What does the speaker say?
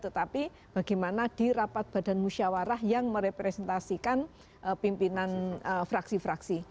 tetapi bagaimana di rapat badan musyawarah yang merepresentasikan pimpinan fraksi fraksi